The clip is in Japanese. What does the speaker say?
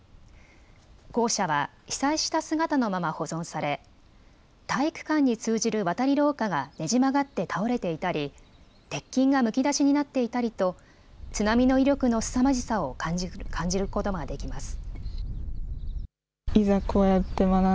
校舎は被災した姿のまま保存され体育館に通じる渡り廊下がねじ曲がって倒れていたり鉄筋がむき出しになっていたりと津波の威力のすさまじさを感じることができます。